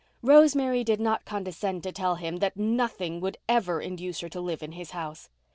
Rosemary did not condescend to tell him that nothing would ever induce her to live in his house.